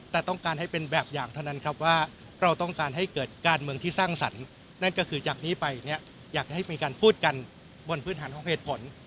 แต่ต้องการให้เป็นแบบอย่างเท่านั้นครับว่าเราต้องการให้เกิดการเมืองที่สร้างสรรค์นั่นก็คือจากนี้ไปเนี่ยอยากจะให้มีการพูดกันบนพื้นฐานของเหตุผล